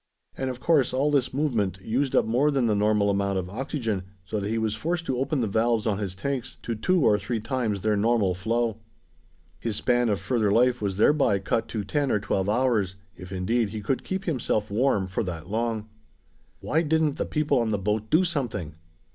And of course all this movement used up more than the normal amount of oxygen, so that he was forced to open the valves on his tanks to two or three times their normal flow. His span of further life was thereby cut to ten or twelve hours, if indeed he could keep himself warm for that long. Why didn't the people on the boat do something!